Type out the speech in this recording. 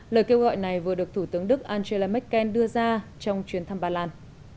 lời kêu gọi này vừa được thủ tướng đức angela merkel đưa ra trong chuyến thăm ba lan